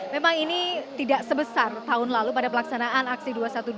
memang ini tidak sebesar tahun lalu pada pelaksanaan aksi dua ratus dua belas